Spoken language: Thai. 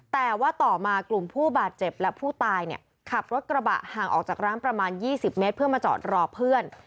แต่ว่าต่อมากลุ่มผู้บาดเจ็บและผู้ตายเนี่ยขับรถกระบะห่างออกจากร้านประมาณ๒๐เมตรเพื่อมาจอดรอเพื่อน